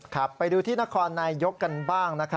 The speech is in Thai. ครับไปดูที่นครนายยกกันบ้างนะครับ